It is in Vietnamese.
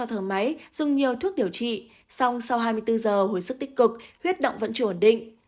hồi sức tích cực huyết động vẫn chưa ổn định